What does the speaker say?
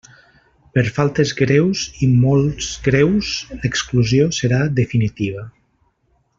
Per faltes greus i molts greus l'exclusió serà definitiva.